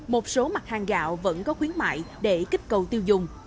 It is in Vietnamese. một số mặt hàng gạo vẫn có khuyến mại để kích cầu tiêu dùng